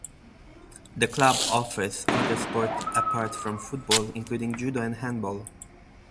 The club offers other sports apart from football, including judo and handball.